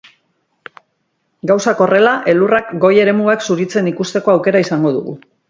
Gauzak horrela, elurrak goi eremuak zuritzen ikusteko aukera izango dugu.